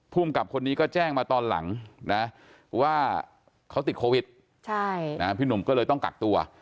กับคนนี้ก็แจ้งมาตอนหลังนะว่าเขาติดโควิดพี่หนุ่มก็เลยต้องกักตัว